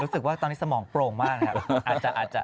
รู้สึกว่าตอนนี้สมองโปร่งมากครับ